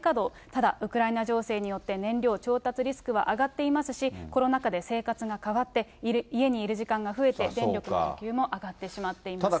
ただ、ウクライナ情勢によって、燃料調達リスクは上がっていますし、コロナ禍で生活が変わって、家にいる時間が増えて電力の需給も上がってしまっています。